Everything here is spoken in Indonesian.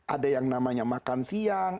ada yang namanya makan siang